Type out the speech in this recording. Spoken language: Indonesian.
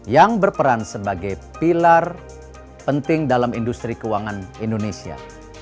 yang berperan sebagai pilar penting dalam industri keuangan indonesia